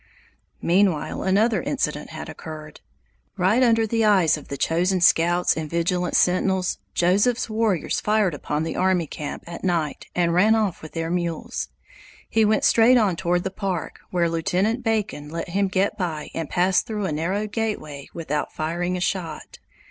Meanwhile another incident had occurred. Right under the eyes of the chosen scouts and vigilant sentinels, Joseph's warriors fired upon the army camp at night and ran off their mules. He went straight on toward the park, where Lieutenant Bacon let him get by and pass through the narrow gateway without firing a shot.